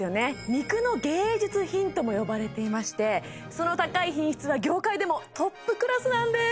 肉の芸術品とも呼ばれていましてその高い品質は業界でもトップクラスなんです